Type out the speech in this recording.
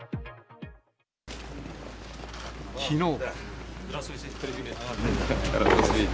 きのう。